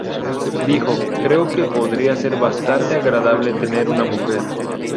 Dijo: "Creo que podría ser bastante agradable tener una mujer.